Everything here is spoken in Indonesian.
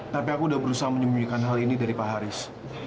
tapi aku sudah berusaha menyembunyikan hal ini dari pak haris